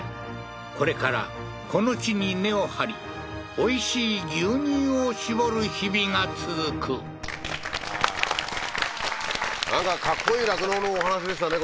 これからこの地に根を張りおいしい牛乳を搾る日々が続くなんかかっこいい酪農のお話でしたね